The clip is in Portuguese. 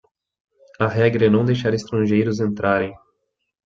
A regra é não deixar estrangeiros entrarem.